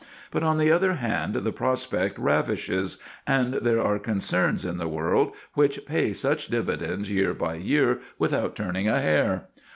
But, on the other hand, the prospect ravishes, and there are concerns in the world which pay such dividends year by year without turning a hair.